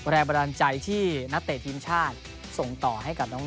แรงบันดาลใจที่นักเตะทีมชาติส่งต่อให้กับน้อง